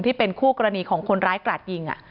ที่เป็นคู่กรณีของคนร้ายกราดยิง